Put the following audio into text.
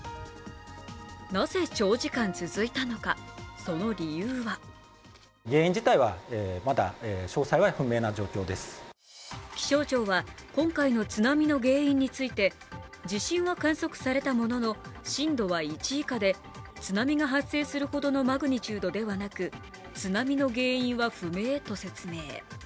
なぜ、長時間続いたのか、その理由は気象庁は今回の津波の原因について地震は観測されたものの震度は１以下で津波が発生するほどのマグニチュードではなく津波の原因は不明と説明。